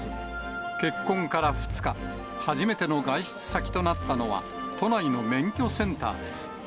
結婚から２日、初めての外出先となったのは、都内の免許センターです。